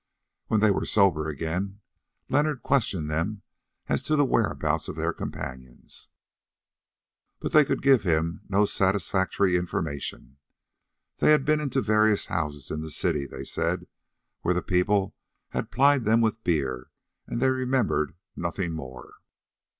When they were sober again, Leonard questioned them as to the whereabouts of their companions, but they could give him no satisfactory information. They had been into various houses in the city, they said, where the people had plied them with beer, and they remembered nothing more.